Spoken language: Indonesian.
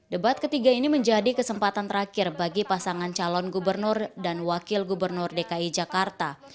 debat ketiga ini menjadi kesempatan terakhir bagi pasangan calon gubernur dan wakil gubernur dki jakarta